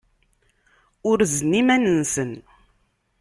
Urzen iman-nsen.